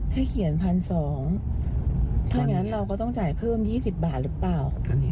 ให้เขียนพันสองถ้าอย่างงั้นเราก็ต้องจ่ายเพิ่มยี่สิบบาทหรือเปล่า